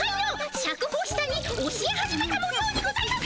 シャクほしさに教え始めたもようにございます！